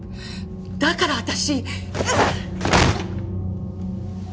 だから私。